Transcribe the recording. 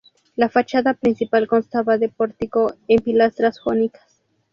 La fachada principal constaba de pórtico con pilastras jónicas.